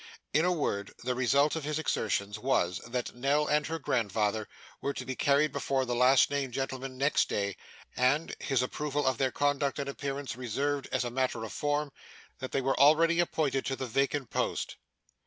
In a word, the result of his exertions was, that Nell and her grandfather were to be carried before the last named gentleman next day; and, his approval of their conduct and appearance reserved as a matter of form, that they were already appointed to the vacant post.